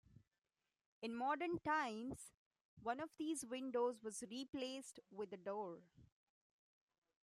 In modern times, one of these windows was replaced with a door.